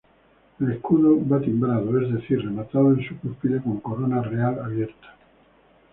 El escudo va timbrado, es decir rematado en su cúspide, con corona real abierta.